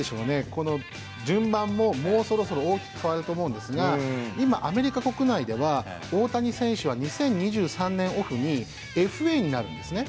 この順番ももうそろそろ大きく変わると思うんですが今アメリカ国内では大谷選手は２０２３年オフにＦＡになるんですね。